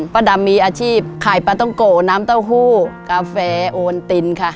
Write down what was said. ป้าดำมีอาชีพขายปลาต้องโกน้ำเต้าหู้กาแฟโอนตินค่ะ